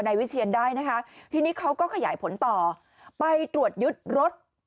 วิเชียนได้นะคะทีนี้เขาก็ขยายผลต่อไปตรวจยึดรถ